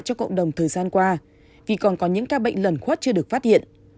cho cộng đồng thời gian qua vì còn có những ca bệnh lần khuất chưa được phát hiện